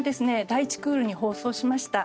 第１クールに放送しました。